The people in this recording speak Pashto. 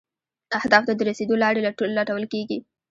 اهدافو ته د رسیدو لارې لټول کیږي.